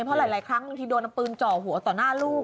เพราะหลายครั้งบางทีโดนเอาปืนเจาะหัวต่อหน้าลูก